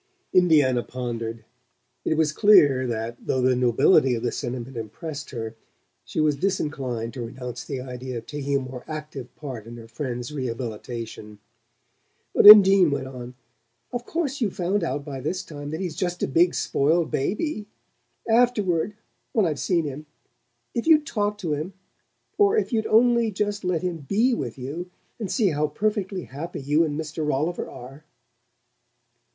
Indiana pondered: it was clear that, though the nobility of the sentiment impressed her, she was disinclined to renounce the idea of taking a more active part in her friend's rehabilitation. But Undine went on: "Of course you've found out by this time that he's just a big spoiled baby. Afterward when I've seen him if you'd talk to him; or it you'd only just let him BE with you, and see how perfectly happy you and Mr. Rolliver are!"